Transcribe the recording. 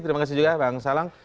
terima kasih juga pak angsalang